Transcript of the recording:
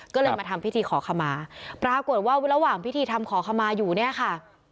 ก็เลยมาทำพิธีขอขมาปรากฏว่าระหว่างพิธีทำขอขมาอยู่เนี่ยค่ะ